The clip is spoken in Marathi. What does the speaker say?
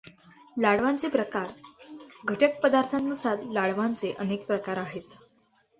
लाडवांचे प्रकार घटकपदार्थांनुसार लाडवांचे अनेक प्रकार आहेत.